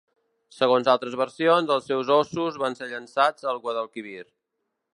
Segons altres versions, els seus ossos van ser llançats al Guadalquivir.